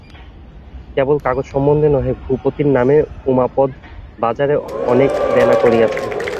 কেবল কাগজ সম্বন্ধে নহে, ভূপতির নামে উমাপদ বাজারে অনেক দেনা করিয়াছে।